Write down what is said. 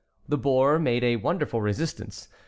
The boar made a wonderful resistance.